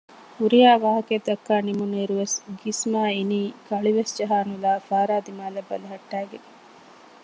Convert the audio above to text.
ހުރިހާ ވާހަކައެއް ދައްކާ ނިމުނު އިރުވެސް ގިސްމާ އިނީ ކަޅިވެސް ޖަހާ ނުލާ ފާރާ ދިމާލަށް ބަލަހައްޓައިގެން